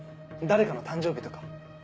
誰かの誕生日とか。